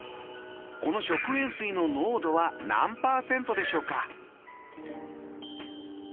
この食塩水の濃度は何％でしょうか？